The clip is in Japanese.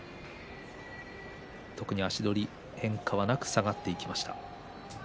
足取り、変化はなく下がっていきました。